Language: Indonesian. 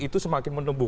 itu semakin menebuk